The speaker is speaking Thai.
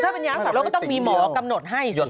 ถ้าเป็นยาศักดิ์เราก็ต้องมีหมอกำหนดให้